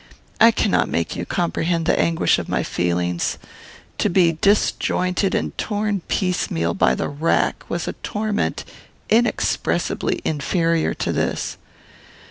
"I cannot make you comprehend the anguish of my feelings. To be disjointed and torn piecemeal by the rack was a torment inexpressibly inferior to this.